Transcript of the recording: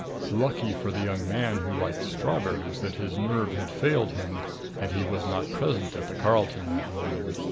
Lucky for the young man who liked strawberries that his nerve had failed him and he was not present at the Carlton that morning!